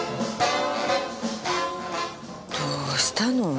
どうしたの？